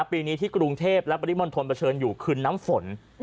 ปีนี้ที่กรุงเทพและปริมณฑลเผชิญอยู่คืนน้ำฝน